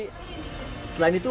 selain itu bandung mulai mencari jalan